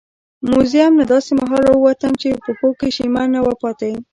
موزیم نه داسې مهال راووتم چې پښو کې شیمه نه وه پاتې.